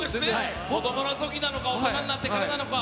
子どものときなのか、大人になってからなのか。